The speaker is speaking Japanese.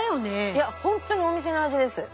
いや本当にお店の味です。